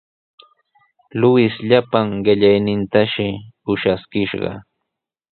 Luis llapan qellaynintashi ushaskishqa.